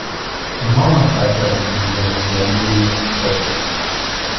The moment I heard the news I knew we must hurry.